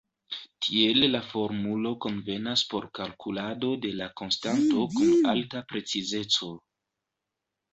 Tiel la formulo konvenas por kalkulado de la konstanto kun alta precizeco.